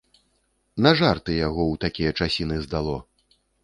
На жарты яго ў такія часіны здало.